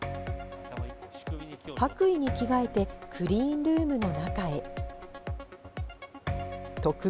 白衣に着替えて、クリーンルームの中へ。